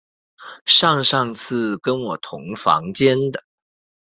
上上次跟我同房间的